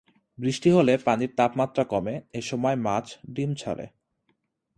বৃষ্টি হলে পানির তাপ কমে, এসময় মাছ ডিম ছাড়ে।